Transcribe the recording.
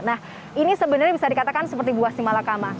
nah ini sebenarnya bisa dikatakan seperti buah simalakama